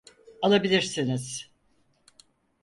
Alabilirsiniz.